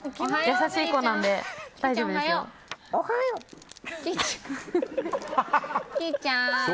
おはよう。